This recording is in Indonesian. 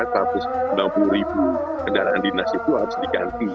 tahuieli rp lima ratus enam puluh kedaraan dinas itu harus diganti